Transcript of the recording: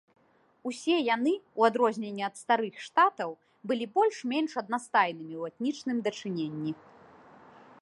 Усе яны, у адрозненне ад старых штатаў, былі больш-менш аднастайнымі ў этнічным дачыненні.